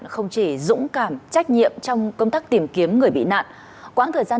không chỉ dũng cảm trách nhiệm trong công tác tìm kiếm người bị nạn